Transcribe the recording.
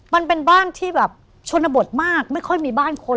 มันเป็นบ้านที่แบบชนบทมากไม่ค่อยมีบ้านคน